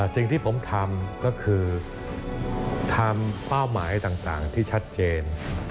สิ่งที่ผมทำก็คือทำเป้าหมายต่างที่ชัดเจน